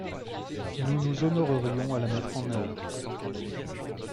Nous nous honorerions à la mettre en œuvre.